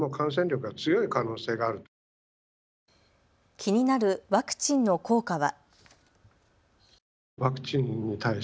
気になるワクチンの効果は。